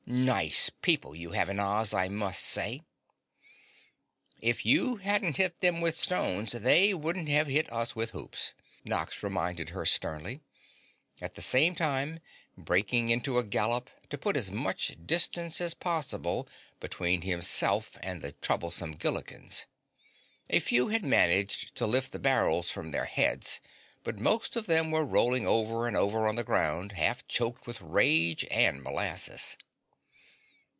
Nice people you have in Oz, I must say." "If you hadn't hit them with stones, they wouldn't have hit us with hoops," Nox reminded her sternly, at the same time breaking into a gallop to put as much distance as possible between himself and the troublesome Gillikins. A few had managed to lift the barrels from their heads, but most of them were rolling over and over on the ground, half choked with rage and molasses.